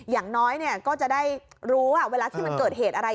อย่างน้อยก็จะได้รู้ว่าเวลาที่มันเกิดเหตุอะไร